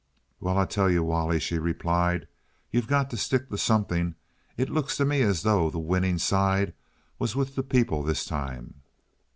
"Well, I'll tell you, Wally," she replied. "You've got to stick to something. It looks to me as though the winning side was with the people this time.